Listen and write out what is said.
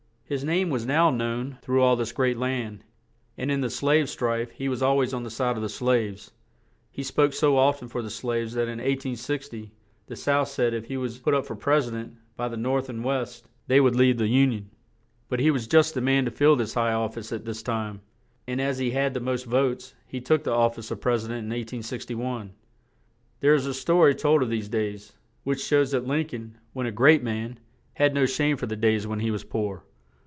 His name was now known through all this great land; and in the slave strife he was al ways on the side of the slaves. He spoke so oft en for the slaves that in 1860, the South said if he was put up for pres i dent, by the North and West, they would leave the Union. But he was just the man to fill this high office at this time; and as he had the most votes he took the of fice of Pres i dent in 1861. There is a sto ry told of these days, which shows that Lin coln, when a great man, had no shame for the days when he was poor.